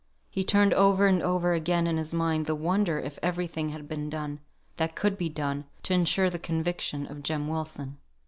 He turned over and over again in his mind the wonder if every thing had been done that could be done, to insure the conviction of Jem Wilson.